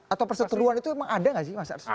atau perseteluan itu emang ada nggak sih mas arswado